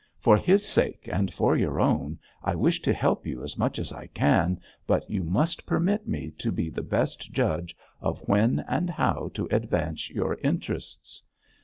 For his sake, and for your own, I wish to help you as much as I can, but you must permit me to be the best judge of when and how to advance your interests.